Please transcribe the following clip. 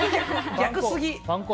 逆すぎ！